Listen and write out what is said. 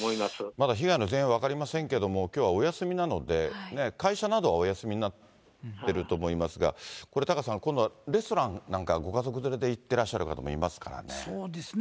まだ被害の全容は分かりませんけれども、きょうはお休みなので、会社などはお休みになってると思いますが、これ、タカさん、今度、レストランなんかはご家族連れで行ってらっしゃる方もいますからそうですね。